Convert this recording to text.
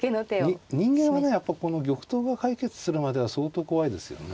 人間はねやっぱ玉頭が解決するまでは相当怖いですよね